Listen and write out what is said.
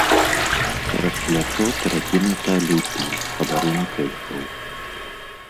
Цераз плячо перакінута лютня, падарунак эльфаў.